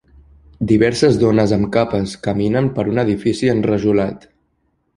Diverses dones amb capes caminen per un edifici enrajolat